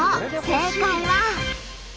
正解は。